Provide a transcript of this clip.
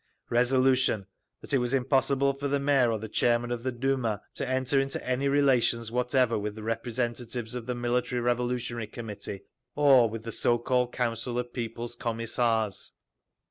Resolution, that it was impossible for the Mayor or the Chairman of the Duma to enter into any relations whatever with representatives of the Military Revolutionary Committee or with the so called Council of People's Commissars.